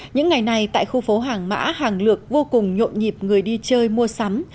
những ngày này tại khu phố hàng mã hàng lược vô cùng nhộn nhịp người đi chơi mua sắm